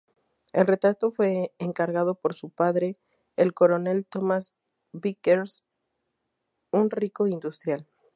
El retrato fue encargado por su padre, el coronel Thomas Vickers, un rico industrial.